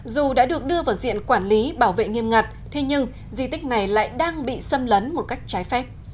dù đã được đưa vào diện quản lý bảo vệ nghiêm ngặt thế nhưng di tích này lại đang bị xâm lấn một cách trái phép